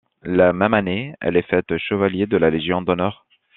La même année, elle est faite chevalier de la Légion d'honneur.